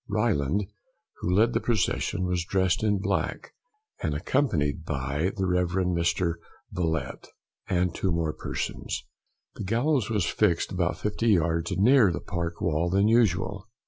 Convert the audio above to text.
Ryland, who led the procession, was dressed in black, and accompanied by the Rev. Mr. Villette and two more persons. The gallows was fixed about fifty yards nearer the Park wall than usual.